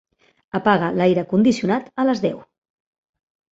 Apaga l'aire condicionat a les deu.